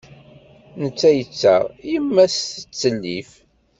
Netta yettaɣ, yemma-s tettellif.